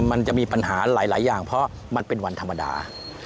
มันจะมีปัญหาหลายอย่างเพราะมันเป็นวันธรรมดา